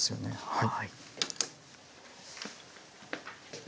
はい。